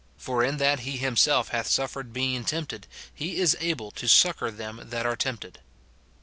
For in that he himself hath suflFered being tempted, he is able to succour them that are tempted."